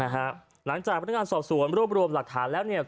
หลังจากพนักงานสอบศูนย์รวบรวมรัสทานแล้ว